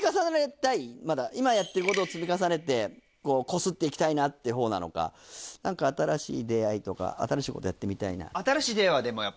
今やってることを積み重ねてこすって行きたいなってほうなのか何か新しい出会いとか新しいことやってみたいなとか。